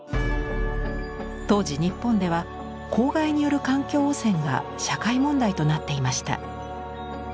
当時日本では公害による環境汚染が社会問題となっていました。